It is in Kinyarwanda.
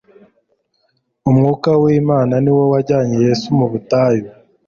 Umwuka w'Imana ni wo wajyanye Yesu mu butayu,